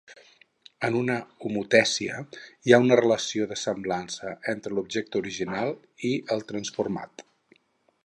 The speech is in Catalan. En una homotècia hi ha una relació de semblança entre l'objecte original i el transformat.